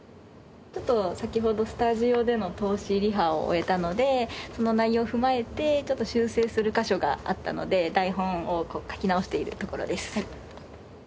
ちょっと先ほどスタジオでの通しリハを終えたのでその内容を踏まえてちょっと修正する箇所があったので台本を書き直しているところです。